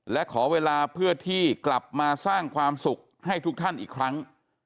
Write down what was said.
และขอเวลาเพื่อที่กลับมาสร้างความสุขให้ทุกท่านอีกครั้ง